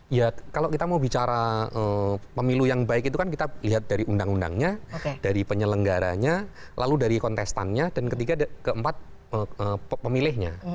ya kalau kita mau bicara pemilu yang baik itu kan kita lihat dari undang undangnya dari penyelenggaranya lalu dari kontestannya dan ketiga keempat pemilihnya